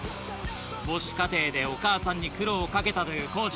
母子家庭でお母さんに苦労を掛けたというコージ。